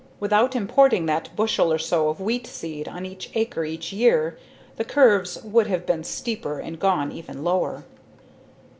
Without importing that bushel or so of wheat seed on each acre each year, the curves would have been steeper and gone even lower.